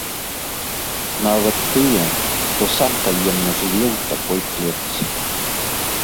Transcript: Нават тыя, хто сам таемна жыве ў такой клетцы.